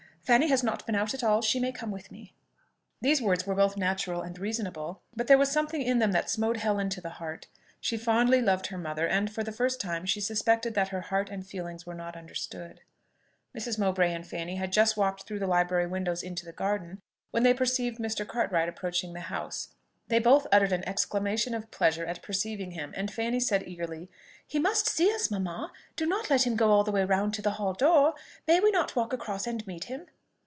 Fanny has not been out at all: she may come with me." These words were both natural and reasonable, but there was something in them that smote Helen to the heart. She fondly loved her mother, and, for the first time, she suspected that her heart and feelings were not understood. Mrs. Mowbray and Fanny had just walked through the library windows into the garden, when they perceived Mr. Cartwright approaching the house. They both uttered an exclamation of pleasure at perceiving him, and Fanny said eagerly, "He must see us, mamma! Do not let him go all the way round to the hall door! May we not walk across and meet him?"